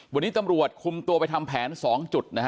วันนี้ตำรวจคุมตัวไปทำแผน๒จุดนะฮะ